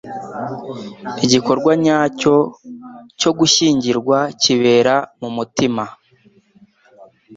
Igikorwa nyacyo cyo gushyingirwa kibera mu mutima,